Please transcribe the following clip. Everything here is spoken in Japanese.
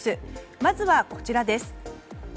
まずはこちらです。